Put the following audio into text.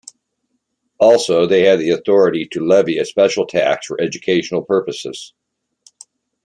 Also, they have the authority to levy a special tax for educational purposes.